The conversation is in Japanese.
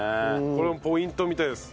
これもポイントみたいです。